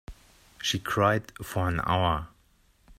She cried for an hour.